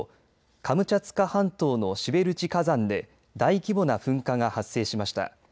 カムチャツカ半島のシベルチ火山で大規模な噴火が発生しました。